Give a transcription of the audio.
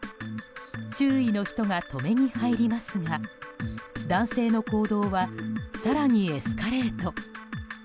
周囲の人が止めに入りますが男性の行動は更にエスカレート。